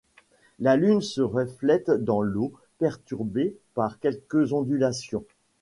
La lune se reflète dans l'eau, perturbée par quelques ondulations.